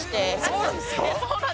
そうなんですよ。